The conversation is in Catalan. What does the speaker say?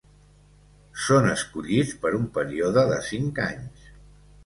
Són escollits per un període de cinc anys.